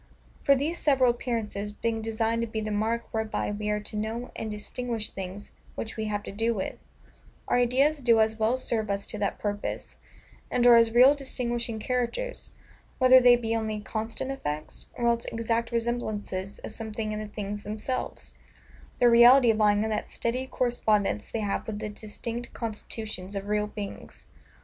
For, these several appearances being designed to be the mark whereby we are to know and distinguish things which we have to do with, our ideas do as well serve us to that purpose, and are as real distinguishing characters, whether they be only CONSTANT EFFECTS, or else EXACT RESEMBLANCES of something in the things themselves: the reality lying in that steady correspondence they have with the distinct constitutions of real beings.